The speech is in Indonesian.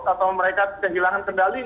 atau mereka kehilangan kendali